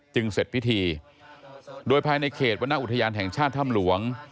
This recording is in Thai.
เสร็จพิธีโดยภายในเขตวรรณอุทยานแห่งชาติถ้ำหลวง